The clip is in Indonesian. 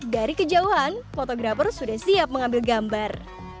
dari kejauhan fotografer sudah siap mengambil gambar